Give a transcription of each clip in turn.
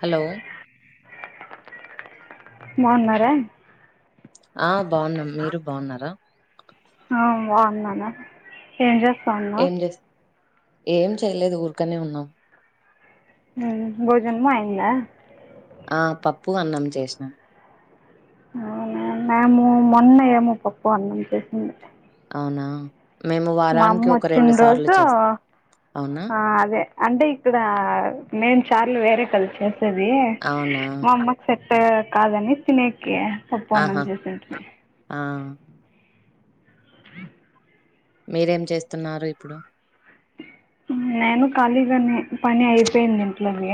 Hello మోన్నర ఆ బాగున్నాం మీరు బాగున్నారా ఆ బాన్నానా ఏం చేస్తాన్నా ఏం చేస్ ఏం చెయలేదు ఊరుకనే ఉన్నాం భోజనము అయిందా ఆ పప్పు అన్నం చేసినా అవునా మేము మొన్నయేమో పప్పు అన్నం చేసింది అవునా మేము మా అమ్మ వారానికి ఒక వచ్చిన రెండు సార్లు రోజు చేస్తాం అవునా ఆ అదే అంటే ఇక్కడ నేను చార్ వేరే కలి చేస్తది అవునా మా అమ్మకి సెట్ కాదని తినే కే పప్పు అన్నం ఆహా చేసింటిమి ఆ హ మీరేం చేస్తున్నారు ఇప్పుడు నేను కాలిగానే పని అయిపోయింది ఇంట్లోనే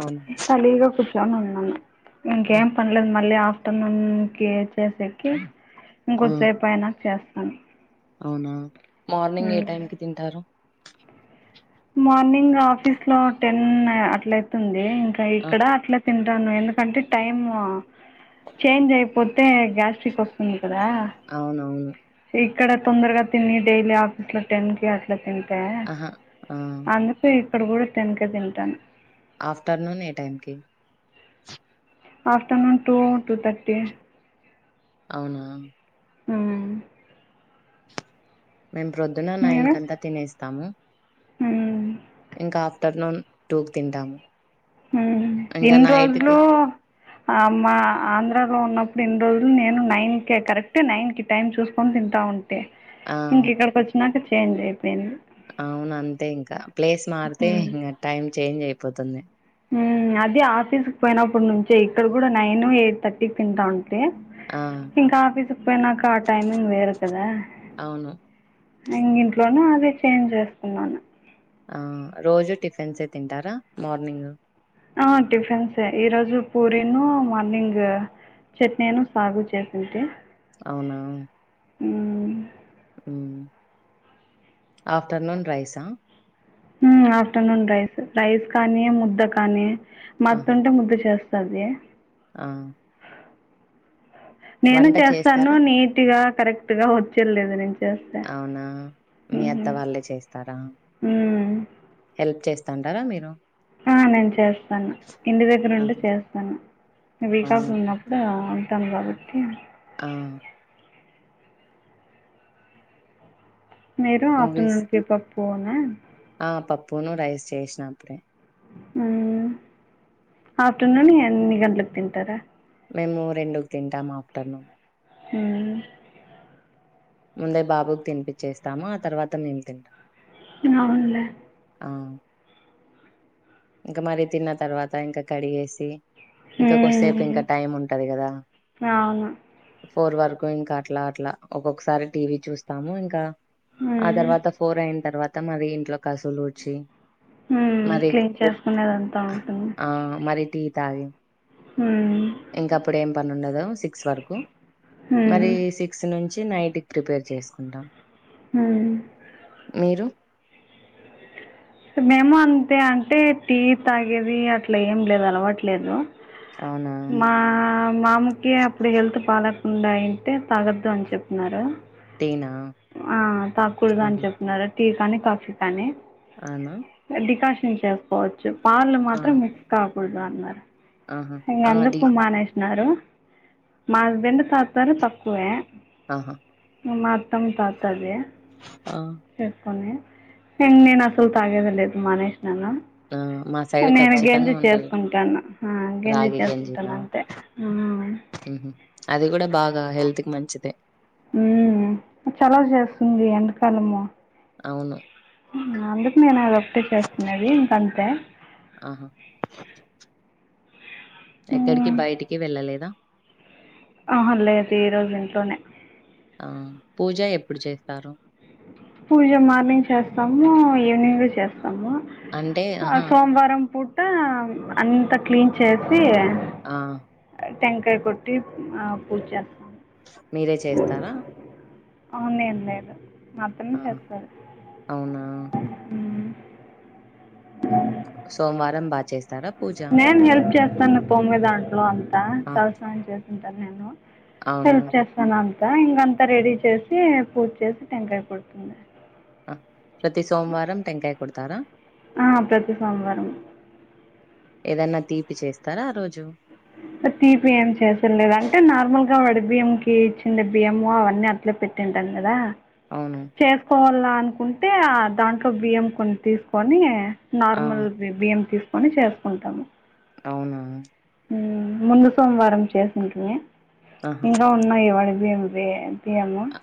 అవునా కలిగా కూర్చొని ఉన్నను ఆ ఇంకేం పనిలేదు మళ్ళీ ఆఫ్టర్నూన్ కి చేసెక్కి ఆ ఇంకోసేపైనా చేస్తాను అవునా మార్నింగ్ ఏ టైం కి తింటారు మార్నింగ్ ఆఫీస్ లో టెన్ అట్లయితుంది ఇంకా ఆ ఇక్కడ అట్ల తింటాను ఎందుకంటే టైమ్ చేంజ్ అయిపో అతే గ్యాస్ట్రిక్ వస్తుంది కదా అవునవును ఇక్కడ తొందరగా తిని డైలీ ఆఫీస్ లో టెన్ కి అట్లా తి అహా ఆ అందుకే ఇక్కడ కూడా టెన్ కె తింటాను ఆఫ్టర్నూన్ ఏ టైంకి ఆఫ్టర్నూన్ టూ టూ థర్టీ అవునా ఉమ్ మేము ప్రొద్దున మీరు నైన్కంతా తినేస్తాము ఇంక ఆఫ్టర్నూన్ టూక్ తింటాము ఉ ఇంకా ఇన్ నైట్ రోజులు కి ఆ మా ఆంధ్రలో ఉన్నప్ రెండు రోజులు నేను నైన్ కె కరెక్ట్ నైన్ కి టైమ్ చూసుకొని తింటా ఉం ఆ ఇంక ఇక్కడికి వచ్చినాక చేంజ్ అయి అవును అంతే ఇంక ప్లేస్ మారితే ఇంగ టైమ్ చేంజ్ అయిపోతుంది అది ఆఫీస్ పోయినప్పుడు నుంచి ఇక్కడ కూడా నైన్ ఎయిట్ థర్టీకి తింటాను ఎ ఆ! ఇంక ఆఫీసు పోయినాక ఆ టైమింగ్ వేరు కదా అవును. ఇంగింట్లోనే అదే చేంజ్ చేసుకున్నాను ఆ రోజు టిఫిన్సె తింటారా మార్నింగ్ ఆ టిఫిన్సె ఈ రోజు పూరిను మార్నింగ్ చట్నీను సాగు చేసింటీ అవునా ఉ ఆఫ్టర్నూన్ రైసా ఉ ఆఫ్టర్నూన్ రైస్ రైస్ కానీ ముద్ద కానీ మత్త్ ఆహా! ఉంటే ముద్ద చేస్ తదె ఆ నేను వంట చేస్తాను చేస్తారా? నీటిగా కరెక్ట్ గా వచ్చేల్లెదు నేను చేస్తే అవునా? మీ హుహు. అత్త వాళ్ళే చేస్తారా హ్మ్. హెల్ప్ చేస్తాంటారా మీరు ఆ నేను చేస్తాను ఇంటి దగ్గర ఉంటే ఆహా! చేస్తాను అవునా? వీకాఫ్ ఉన్నప్పుడు ఆ ఉంటాము కాబట్టి ఆ మీరు మూవీస్ ఆఫ్టర్నూన్ కీపప్ పోను ఆ పప్పును రైస్ చేసిన అప్పుడే ఉ ఆఫ్టర్నూన్ ఎన్ని గంటలకు తింటరా మేము రెండుకు తింటాం ఆఫ్టర్నూన్ ఉ ముందే బాబుకి తినిపిచ్చేస్తాము ఆ తర్వాత మేం తింటాం అవున్లా ఇంక మరీ తిన్న తర్వాత ఇంక కడిగేసి ఇంక కొద్దిసేపు హ్మ్. ఇంకా టైమ్ ఉంటది కదా అవును. ఫోర్ వరు ఇంకా అట్లా అట్లా ఒక్కొక్కసారి టీవి చూస్తాము ఇంకా ఆ హ్మ్. తర్వాత ఫోర్ అయిన తర్వా అత మరి ఇంట్లో కసువులు ఊడ్చి హ్మ్ మరి క్లీన్ చేసుకునేదంతా ఉంటుంది ఆ తాగి హుమ్ ఇంక అప్పుడు ఏం పని ఉండదు సిక్స్ వరకు హ్మ్. మరి సిక్స్ నుంచి నైట్ కి ప్రిపేర్ చేసుకుంటాం ఉ మీరు మేము అంతే అంటే టీ తాగేది అట్ల ఏం లేదు అలవాట్లేదు అవునా మా మాముకి అప్పుడు హెల్త్ పా ఉండాయి అంటే తాగద్దు అని చెప్పినారు టీనా ఆ తాకూడద అని చెప్పినారు టీ కానీ కాఫీ కానీ అనా డికాషన్ చేసుకోవచ్చు పాలు మాత్రం మిక్స్ కాకూడదు అన్నారు ఆహా ఇంగ ఆ డి అందుకు మానేష్ అన్నారు మా హస్బెండ్ తాతరు తక్కువే అహ మా అత్తం తాతది ఆ కొన్ని నేను అసలు తాగేదే లేదు మానేశినాను ఆ, మా సైడ్ నేను గంజి ఖచ్చితంగా ఉండాల చేసుకుంటన్న ఆ గంజి రాగి చేసుకుంటన్న గంజినా అంతే ఉహు అది కూడా బాగా హెల్త్ కి మంచిదే ఉమ్ చలవ చేస్తుంది ఎండకాలము అవును అందుకు నేను అదొటి చేస్తున్నది ఇంకంతే ఆహా ఎక్కడికి ఉమ్. బయటికి వెళ్ళలేదా? ఆహ లేదు ఈరోజు ఇంట్లోనే ఆ పూజ ఎప్పుడు చేస్తారు? పూజ మార్నింగ్ చేస్తాము ఈవనింగ్ చేస్తాము. అంటే ఆమ్మో ఆహా సోమవారం పూట అంత క్లీన్ చేసి ఆ టెంకాయ కొట్టి ఆ పూజ మీరే చేస్తారా? అవునుం ఏం లేదు ఆతను ఆహా చేత్తారు. అవునా మ్ అ సోమవారం బా చేస్తారా? పూజ నేను హెల్ప్ చేస్తాను పో మీ దాంట్లో అంతా ఆ తలసని చేసింటాను నేను అవును హెల్ప్ చేస్తాను అంతా ఇంకంతా రెడీ చేసి పూజ చేసి టెంకాయ కొడుతుంది. ఆ ప్రతి సోమవారం టెంకాయ కొడతారా? ఆ ప్రతి సోమవారం ఏదన్నా తీపి చేస్తారా ఆ రోజు? తీపి బియం కి ఇచ్చింది బియ్యం అవన్నీ అట్లా పెట్టింటాను కదా అవును చేసుకోవాల అనుకుంటే దాంట్లో బియ్యం కొన్ని తీసుకొని ఆ నార్మల్ బియ్యం తీసు కొని చేసుకుంటాము. అవున మ్ ముందు సోమవారం చేసింటిమి. ఆహా ఇంకా ఉన్నాయి వడి బియ్యంవి ఇయము అ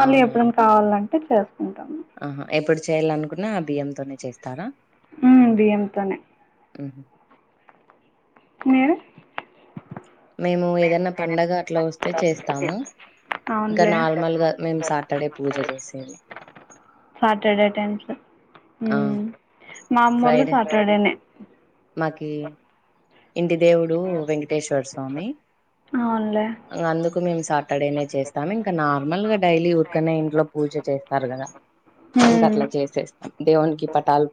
మళ్ళీ అవునా ఎప్పుడు కావాలంటే చేసుకుంటాం. ఆహా ఎప్పుడు చేయ్యాలనుకున్నా ఆ బియ్యంతోనే చేస్తారా? మ్ బియ్యం తోనే అ మీరు? మేము ఏదైనా పండగ అట్లా వస్తే చేస్తాము ఇంకా అవునులే నార్మల్గా మేము సాటర్డే పూజ చేసేది సాటర్డే టైమ్స్మ్ ఆ మా అమ్మళ్ళ ఫ్రైడే సాటర్డేనే మాకి ఇంటి దేవుడు వెంకటేశ్వర స్వామి అవునులే అందుకు మేము సాటర్డేనే చేస్తాము ఇంకా నార్మల్ గా డైలీ ఊరికనే ఇంట్లో పూజ చేస్తారు కదా ఇంకా మ్మ్. అట్లా చేసేస్తాం దేవునికి పటాలు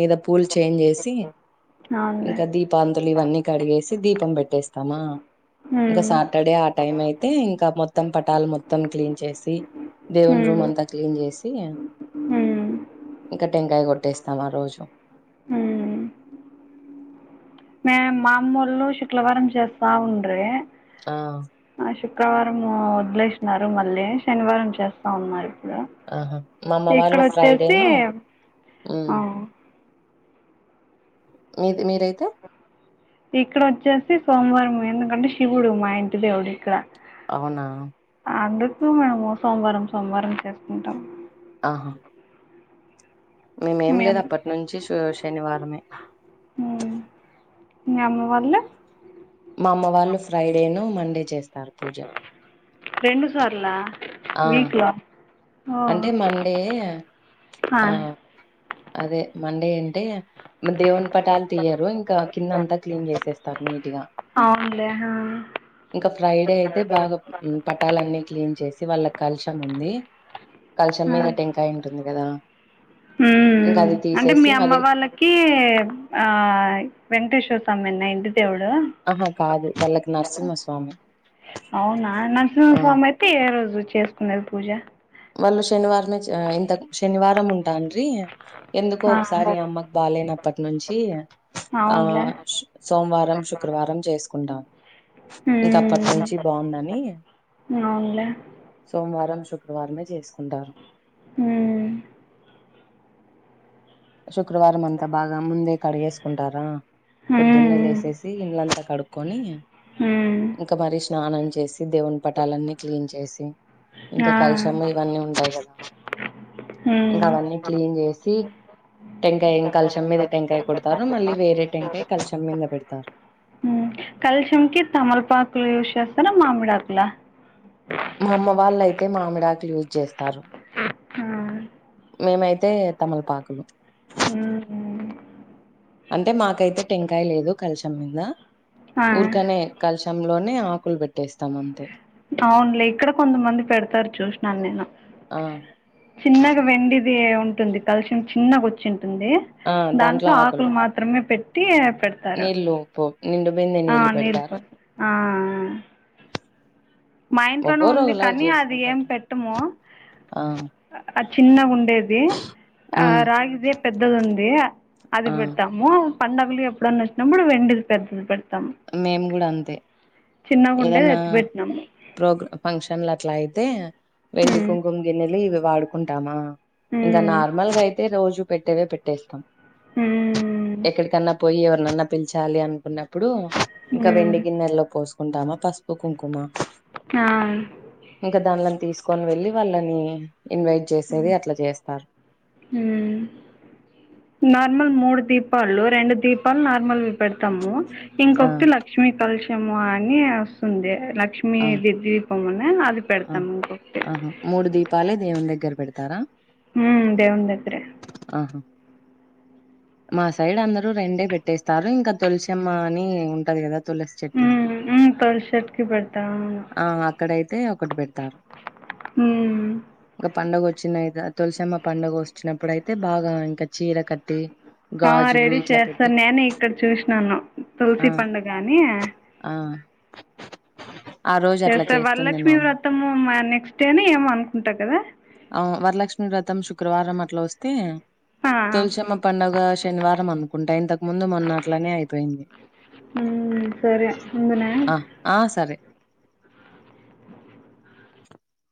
మీద పూలు చేంజ్ చేసి అవునులేే నీవన్ని కడిగేసి దీపం పెట్టేస్తామా ఇంక మ్మ్. ఇంటర్డే టైం అయితే ఇంకా మొత్తం పటాలు మొత్తం క్లీన్ చేసి దేవున్ రూమ్ మ్మ్. అంతా క్లీన్ చేసి మ్మ్. ఇంకా టెంకాయ కొట్టేస్తాం ఆ రోజు ఆ మే మామూళ్ళ శుక్లవారం చేస్తా ఉండ్రి ఆ ఆ శుక్రవారం వదిలేసినారు మళ్ళీ శనివారం చేస్తా ఉన్నారు. ఆహా! మా అమ్మ ఇక్కడ వాళ్ళు వచ్చేసి ఫ్రైడేను ఆ హ్మ్. మీది మీరైతే? ఇక్కడోచ్చేసి సోమవారం ఎందుకంటే శివుడు మా ఇంటి దేవుడు ఇక్కడ అవునా! అందుకు మేము సోమవారం సోమవారం చేసుకుంటాం ఆహా నేనేం మీ లేదు అమ్మ అప్పటి నించి శు శనివారమే ఉమ్. మీ అమ్మ వాళ్లు మా అమ్మ వాళ్ళు ఫ్రైడేనో మండే చేస్తారు పూజ రెండు సార్లా ఆ! వీక్ లో అంటే మండే ఆ అదే మండే యంటే దేవుని పటాలు తీయ్యరు ఇంకా కింద అంతా క్లీన్ చేసేస్తారు నీట్గా అవునులే ఆ, ఇంకా ఫ్రైడే అయితే బాగా పటాలన్నీ క్లీన్ చేస్ సి వాళ్ళక్ కల్షం ఉంది కల్షం ఆ. మీద టెంకాయ్ ఉంటుంది కదా [inaudible] ఇంక ఉమ్ అది అంటే మీ తీసేసి అమ్మ మరి వాళ్ళకి ఆ వెంకటేశ్వ సమ్మెన్న ఇండు ఆహా కాదు వాళ్ళకి నర్సింహస్వామి అవునా నరసింహస్వామి అయితే ఏ రోజు చేసుకునేది పూజ వాళ్ళు శనివారం నించ్ అ ఇంతక్ శనివారం ఉ టాండ్రి ఎందుకో ఒకసారి అమ్మకు బాలేనప్పటి నుంచి ఆ సోంవారం శుక్రవారం చేసుకుంటాం ఇంకా ఉమ్. అప్పటి నుంచి బాగుందని అవునులే సొంవారం శు క్రవారమే చేసుకుంటారు ఉమ్ శుక్రవారం అంతా బాగా ముందే కడిగేసుకుంటారా పొద్దున్నే హ్మ్ లేసేసి ఇల్లంతా కడుక్కొని హ్మ్ ఇంకా మరి స్నానం చేసి దేవుని పటాలన్నీ క్లీన్ చేసి ఇంకా ఆ కాలశమ్మ ఇవన్నీ ఉంటాయి గదా హ్మ్ ఇంకా అవన్నీ క్లీన్ చేసి టెంకాయ్ ఇంకల్శం మీద టెంకాయ్ కొడతారు మళ్ళీ వేరే టె కాయ్ కల్షం మీంద పెడ్తారు కల్షంకి తమలపాకులు యూజ్ చేస్తారా మామిడాకులా మా అమ్మ వాళ్ళయితే మామిడాకులు యూజ్ చేస్తారు ఉమ్ మేమైతే తమలపాకులు ఉమ్ అంటే మాకైతే టెంకయ్ లేదు కల్షం మీంద ఆ ఊర్కనే కల్ష్ లోనే ఆకులు పెట్టేస్తాం అంతే అవునులే ఇక్కడ కొంతమంది పెడతారు చూసినాన్ నేను ఆ చిన్నగా వెండి ది ఉంటుంది కల్షం చిన్నగోచింటుంది దాంట్లో ఆకులు మాత్రమే పెట్టి పెడ్తారు నీళ్లు పో నిండు బిందె ఆ నీళ్లు నీలిపో పెడతారు ఆ ఆ మా ఇంట్లోను ఒక్కోరు ఉంది ఒకలాగ కానీ అది ఏం చేసుకుంటారు పెట్టము ఆ ఆ చిన్నగుండేది ఆ రాగిదే పెద్దదుంది అది ఆ పెడతాము పండగలు ఎప్పుడన్న వచ్చినప్పుడు వెండిది పెడ్తద్ పెడ్ తం మేము కూడా అంతే చిన్నగుండే ఎత్తి పెట్టినమ్ ప్రోగ్రా ఫంక్షన్లట్లా అయితే వెండి ఉమ్, కుంకుమ్ గిన్నెలు ఇవి వాడుకుంటామా ఇంకా ఉమ్, నార్మల్గా అయితే రోజు పెట్టేవే పెట్టేస్తాం ఉమ్, ఎక్కడికన్నా పోయి ఎవరినన్నా పిలిచాలి అనుకున్నప్పుడు ఇంక ఉమ్, వెండి గిన్నెల్లో పోసుకుంటామా పసుపు కుంకుమ ఆ, ఇంక దాన్లని తీసుకొని వెళ్లి వాళ్ళని ఇన్వైట్ చేసేది అట్ల చేస్తారు ఉమ్. నార్మల్ మూడు దీపాలు రెండు దీపాలు నార్మల్ పెడతాము ఆ ఇంకొకటి లక్ష్మీ కలుష ముఅని వస్తుంది లక్ష్మి ఆ ది దీపమునే అది ఆ పెడతాము ఆహా మూడు దీపాలే దేవుని దగ్గర పెడతారా ఉమ్ దేవున్ దగ్గరే ఆహా మా సైడ్ అందరూ రెండే పెట్టేస్తారు ఇంక తులసిమ్మ అని ఉంటది కదా తులసి ఉ చెట్టు ఊ తొలి చెటుకి పెడు ఆ అక్కడయితే ఒకటి పెడతారు హ్మ్. పండుగ వచ్చినయి తులసమ్మ పండుగ వచ్చినప్పుడు అయితే బాగ ఇంక చీర కట్టి ఆ గాజులు రెడీ ఇట్లా పెట్టి చేస్తాను నేనే ఇక్కడ చూసినాను ఆ తులసి పండుగాని అ చేస్తే వరలక్ష్మి వ్రతము నెక్స్ట్ డే ఏమో అనుకుంటా కదా ఆ వరలక్ష్మి వ్రతం శుక్రవారం అట్ల వస్తే ఆ! తులసమ్మ పండుగ శనివారం అనుకుంట ఇంతకు ముందు మొన్న అట్లనే అయిపోయింది ఉమ్ సరే ఉందునా అ సరే